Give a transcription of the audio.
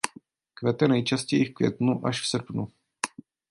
Kvete nejčastěji v květnu až v srpnu.